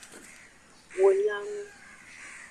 Wo nya nu.